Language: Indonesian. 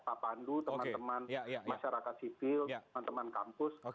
pak pandu teman teman masyarakat sipil teman teman kampus